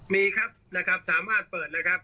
มีครับสามารถเปิดนะครับ